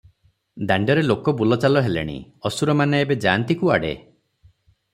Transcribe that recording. ଦାଣ୍ତରେ ଲୋକ ବୁଲ ଚାଲ ହେଲେଣି, ଅସୁରମାନେ ଏବେ ଯାଆନ୍ତି କୁଆଡେ?